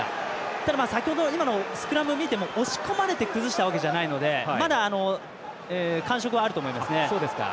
ただ今のスクラムを見ても押し込まれて崩したわけじゃないのでまだ、感触はあると思いますね。